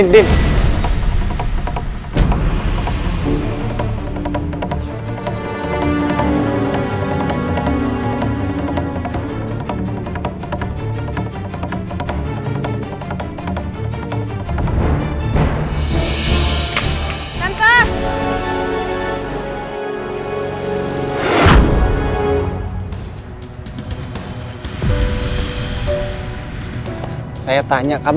bentar ya mas